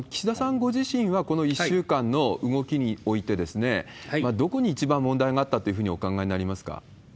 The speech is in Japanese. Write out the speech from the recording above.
ご自身は、この１週間の動きにおいて、どこに一番問題があったっていうふうにお考えになりますか。